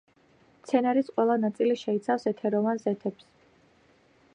მცენარის ყველა ნაწილი შეიცავს ეთეროვან ზეთებს.